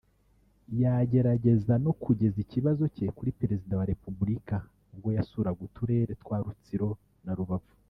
yagerageza no kugeza ikibazo cye kuri Perezida wa Repubulika ubwo yasuraga uturere twa Rutsiro na Rubavu